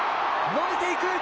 伸びていく。